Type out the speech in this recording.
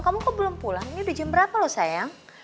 kamu kok belum pulang ini udah jam berapa loh sayang